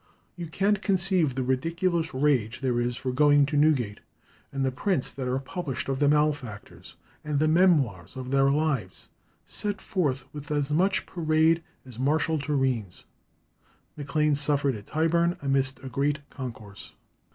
You can't conceive the ridiculous rage there is for going to Newgate; and the prints that are published of the malefactors, and the memoirs of their lives, set forth with as much parade as Marshal Turenne's." Maclane suffered at Tyburn amidst a great concourse.